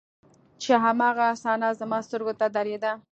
چې هماغه صحنه زما سترګو ته درېدله.